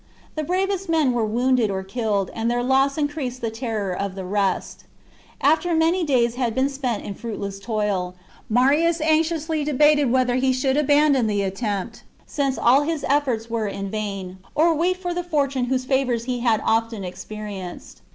The bravest men were wounded or killed, and their loss increased the terror of the rest. After XCIII. 224 THE JUGURTHINE WAR. CHAP, many days had been spent in fruitless toil, Marius XCIII. anxiously debated whether he should abandon the attempt, since all his efforts were in vain, or wait for the fortune whose favours he had often experienced.